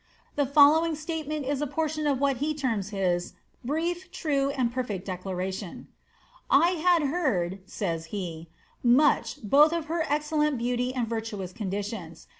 The following statement is a portion of what he terms his ^^ brief, true, and perfect declaration :"—^ I had heard," says he, ^ much, both of her excellent beauty and virtuous conditions.